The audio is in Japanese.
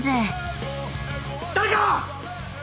「誰か」